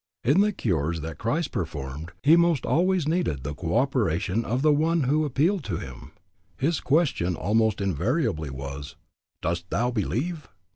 In the cures that Christ performed he most always needed the co operation of the one who appealed to him. His question almost invariably was, "Dost thou believe?"